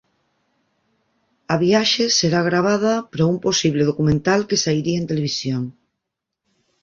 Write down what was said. A viaxe será gravada para un posible documental que sairía en televisión.